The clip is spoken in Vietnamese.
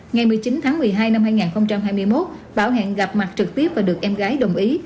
ngày một mươi chín tháng một mươi hai năm hai nghìn hai mươi một bảo hẹn gặp mặt trực tiếp và được em gái đồng ý